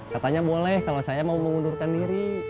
katanya boleh kalau saya mau mengundurkan diri